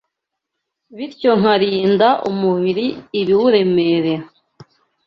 bityo nkarinda umubiri ibiwuremerera